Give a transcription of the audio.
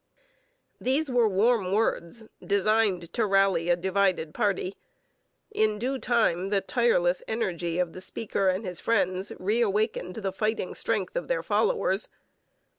] These were warm words, designed to rally a divided party. In due time the tireless energy of the speaker and his friends reawakened the fighting strength of their followers.